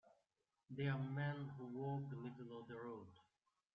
They are men who walk the middle of the road.